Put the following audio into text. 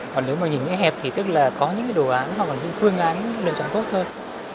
còn nếu mà nhìn ngay hẹp thì tức là có những đồ án hoặc là những phương án lựa chọn tốt hơn